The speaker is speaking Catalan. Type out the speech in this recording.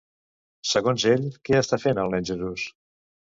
Segons ell, què està fent el nen Jesús?